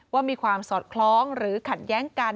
ว่ามีความสอดคล้องหรือขัดแย้งกัน